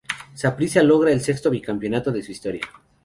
Saprissa logra el sexto bicampeonato de su historia.